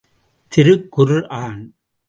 திருக் குர் ஆன்...